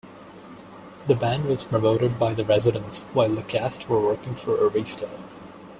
The band was promoted by the residents while the cast were working for Arista.